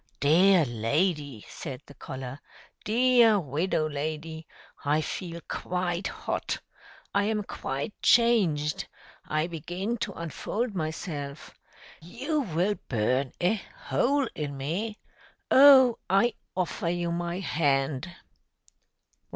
"Dear lady!" said the collar. "Dear widow lady! I feel quite hot. I am quite changed. I begin to unfold myself. You will burn a hole in me. Oh! I offer you my hand."